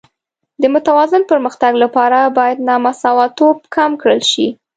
د متوازن پرمختګ لپاره باید نامساواتوب کم کړل شي.